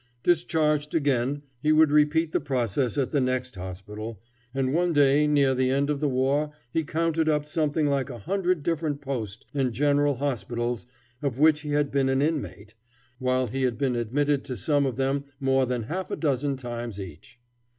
Discharged again he would repeat the process at the next hospital, and one day near the end of the war he counted up something like a hundred different post and general hospitals of which he had been an inmate, while he had been admitted to some of them more than half a dozen times each.